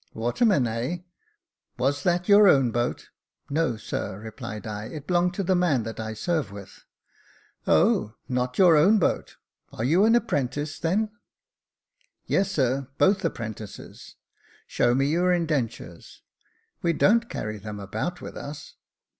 "Watermen, heh ! was that your own boat ?" "No, sir," replied I; "it belonged to the man that I serve with." " O ! not your own boat ? Are you an apprentice, then ?" 348 Jacob Faithful " Yes, sir, both apprentices." " Show me your indentures." " We don't carry them about with us."